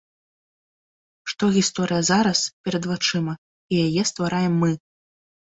Што гісторыя зараз, перад вачыма, і яе ствараем мы.